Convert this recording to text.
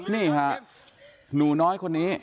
นี่ค่ะหนูน้อยคนนี้